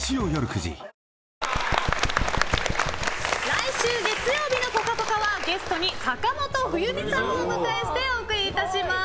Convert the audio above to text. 来週月曜日の「ぽかぽか」はゲストに坂本冬美さんをお迎えしてお送りいたします。